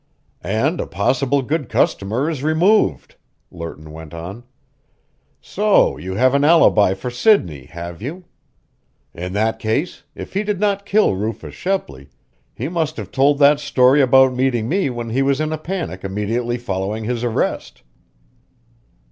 "And a possible good customer is removed," Lerton went on. "So you have an alibi for Sidney, have you? In that case if he did not kill Rufus Shepley he must have told that story about meeting me when he was in a panic immediately following his arrest.